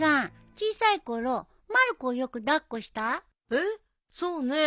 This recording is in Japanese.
えっそうねえ